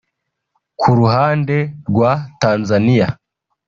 Ku ruhande rwa Tanzania